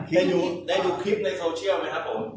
ได้ดูคลิปในโซเชียลไหมครับผม